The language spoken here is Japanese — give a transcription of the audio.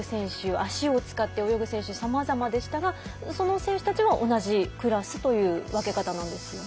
脚を使って泳ぐ選手さまざまでしたがその選手たちは同じクラスという分け方なんですよね？